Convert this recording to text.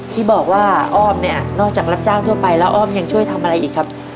ที่บอกว่าอ้อมเนี่ยนอกจากรับจ้างทั่วไปแล้วอ้อมยังช่วยทำอะไรอีกครับ